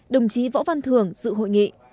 đồng chí võ văn thường dự hội nghị